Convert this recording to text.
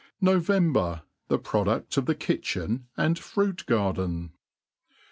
November, — The ProduSf of the Kitchen and Fruit Garden.